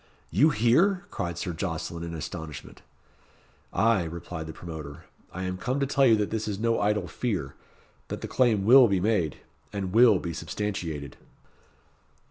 "You here?" cried Sir Jocelyn, in astonishment. "Ay," replied the promoter; "I am come to tell you that this is no idle fear, that the claim will be made, and will be substantiated."